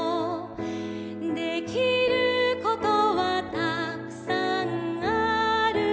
「できることはたくさんあるよ」